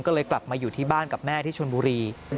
ก็เลยกลับมาอยู่ที่บ้านกับแม่ที่ชนบุรี